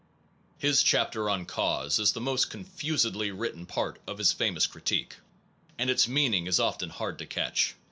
! His chapter on Cause 1 is the most confusedly written part of his famous Critique, and its meaning is often hard to catch.